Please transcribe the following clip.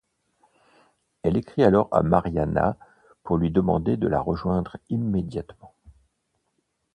Elle écrit alors à Mariana pour lui demander de la rejoindre immédiatement.